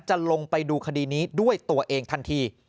ลงไปดูคดีนี้ด้วยตัวเองทันที